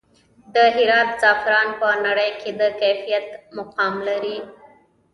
د هرات زعفران په نړۍ کې د کیفیت مقام لري